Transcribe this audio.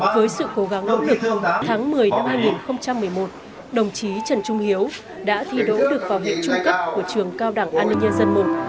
với sự cố gắng nỗ lực tháng một mươi năm hai nghìn một mươi một đồng chí trần trung hiếu đã thi đỗ được vào huyện trung cấp của trường cao đảng an ninh nhân dân i